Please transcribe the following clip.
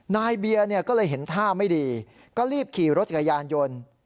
นายเบียร์เนี่ยก็เลยเห็นท่าไม่ดีก็รีบขี่รถจักรยานยนต์